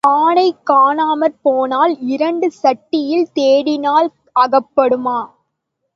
ஆனை காணாமற் போனால் இரண்டு சட்டியில் தேடினால் அகப்படுமா?